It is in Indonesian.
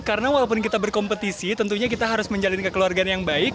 karena walaupun kita berkompetisi tentunya kita harus menjalani kekeluargaan yang baik